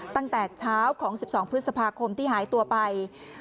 ตั้งแต่เช้าของ๑๒พฤษภาคมที่หายตัวไป